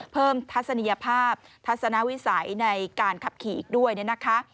เพิ่มทัศนียภาพทัศนาวิสัยในการขับขี่ด้วยนะคะ